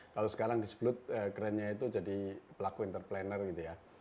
kalau sekarang disebut kerennya itu jadi pelaku entrepreneur gitu ya